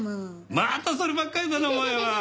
またそればっかりだなお前は。ハハハ！